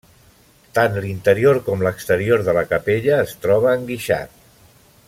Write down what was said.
Tant l'interior com l'exterior de la capella es troba enguixat.